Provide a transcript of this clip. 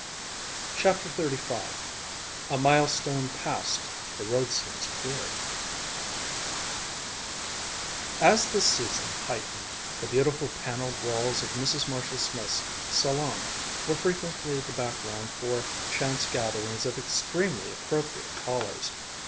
CHAPTER XXXV "A MILESTONE PASSED, THE ROAD SEEMS CLEAR" As the "season" heightened, the beautiful paneled walls of Mrs. Marshall Smith's salon were frequently the background for chance gatherings of extremely appropriate callers.